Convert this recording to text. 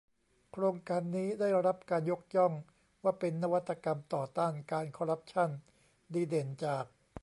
โครงการนี้ได้รับการยกย่องว่าเป็นนวัตกรรมต่อต้านการคอร์รัปชั่นดีเด่นจาก